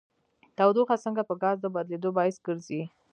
تودوخه څنګه په ګاز د بدلیدو باعث ګرځي؟